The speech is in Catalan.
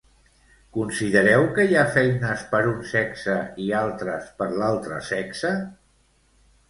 Considereu que hi ha feines per un sexe i altres per l'altre sexe?